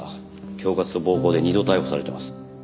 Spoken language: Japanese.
恐喝と暴行で２度逮捕されてます。